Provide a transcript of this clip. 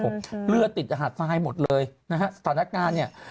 ปรากฏว่า